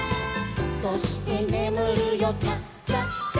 「そしてねむるよチャチャチャ」